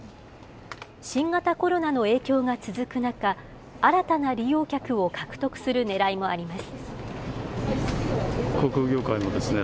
新型コロナの影響が続く中、新たな利用客を獲得するねらいもあります。